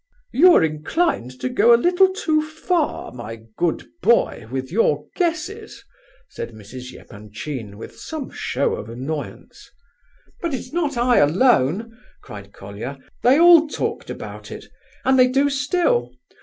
"You are inclined to go a little too far, my good boy, with your guesses," said Mrs. Epanchin, with some show of annoyance. "But it's not I alone," cried Colia. "They all talked about it, and they do still.